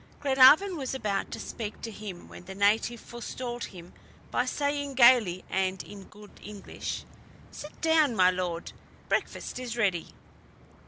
Glenarvan was about to speak to him when the native forestalled him by saying gayly and in good English: "Sit down, my Lord; breakfast is ready."